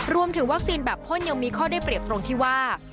รวมถึงวัคซีนแบบพ่นยังมีข้อได้เปรียบตรงที่ว่า